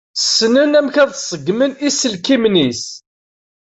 Ssnen amek ad ṣeggmen iselkimen.